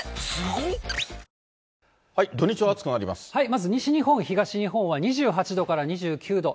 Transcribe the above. まず西日本、東日本は２８度から２９度。